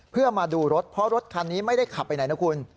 เพื่อมาดูรถเพราะรถคันนี้ไม่ได้ขับไปไหนนะคุณ